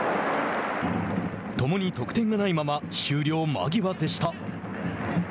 共に得点がないまま終了間際でした。